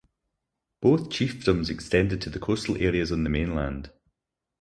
Both chiefdoms extended to the coastal areas on the mainland.